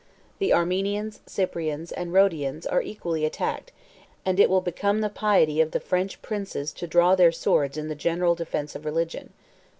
The Armenians, Cyprians, and Rhodians, are equally attacked; and it will become the piety of the French princes to draw their swords in the general defence of religion.